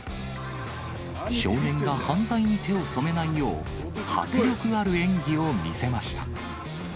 少年が犯罪に手を染めないよう、迫力ある演技を見せました。